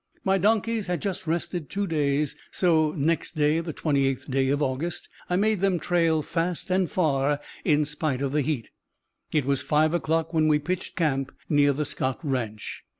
My donkeys had just rested two days, so next day, the 28th day of August, I made them trail fast and far, in spite of the heat. It was five o'clock when we pitched camp near the Scott Ranch.